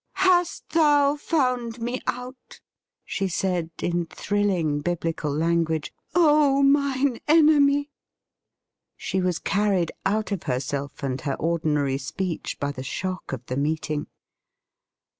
' Hast thou found me out,' she said in thrilling Biblical language, ' O mine enemy .?' She was carried out of herself and her ordinary speech by the shock of the meeting.